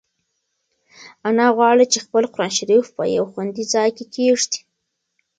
انا غواړي چې خپل قرانشریف په یو خوندي ځای کې کېږدي.